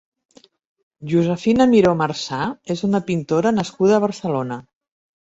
Josefina Miró Marsà és una pintora nascuda a Barcelona.